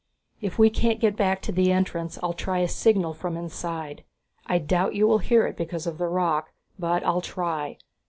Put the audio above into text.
If we can't get back to the entrance I'll try a signal from inside. I doubt if you will hear it because of the rock, but I'll try.